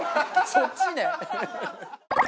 そっちね。